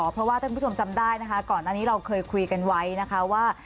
เพราะว่าท่านผู้ชมจำได้นะคะก่อนอันนี้เราเคยคุยกันไว้นะคะว่า